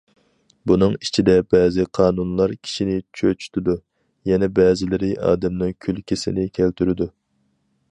بۇنىڭ ئىچىدە بەزى قانۇنلار كىشىنى چۆچۈتىدۇ، يەنە بەزىلىرى ئادەمنىڭ كۈلكىسىنى كەلتۈرىدۇ.